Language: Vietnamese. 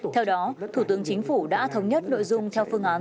theo đó thủ tướng chính phủ đã thống nhất nội dung theo phương án